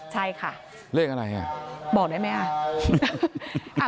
ใช่ค่ะเลขอะไรอ่ะบอกได้ไหมอ่ะ